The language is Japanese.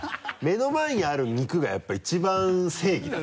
目の前にある肉がやっぱり一番正義だからさ。